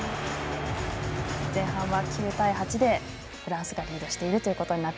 前半は９対８でフランスがリードしています。